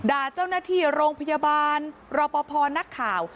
ด่าเจ้าหน้าที่โรงพยาบาลรอปภนักข่าว